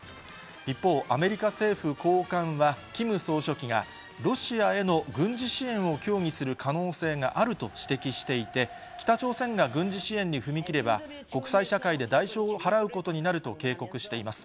一方、アメリカ政府高官は、キム総書記が、ロシアへの軍事支援を協議する可能性があると指摘していて、北朝鮮が軍事支援に踏み切れば、国際社会で代償を払うことになると警告しています。